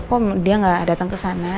kok dia gak datang ke sana